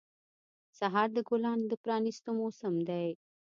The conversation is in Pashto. سهار د ګلانو د پرانیستو موسم دی.